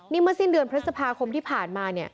นี่เมื่อสิ้นเดือนพระศพาคมที่ผ่านมา